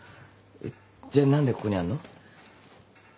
じゃ何でここにあんの？